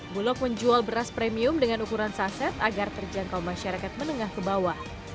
bulog menjual beras premium dengan ukuran saset agar terjangkau masyarakat menengah ke bawah